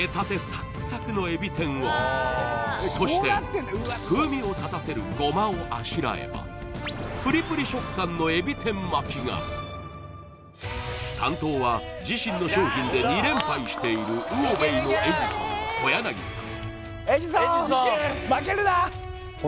サックサクのえび天をそして風味を立たせるごまをあしらえばのえび天巻が担当は自身の商品で２連敗している魚べいのエジソン小柳さん